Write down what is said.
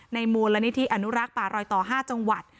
มูลนิธิอนุรักษ์ป่ารอยต่อ๕จังหวัด